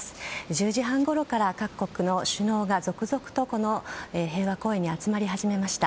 １０時半ごろから各国の首脳が続々とこの平和公園に集まり始めました。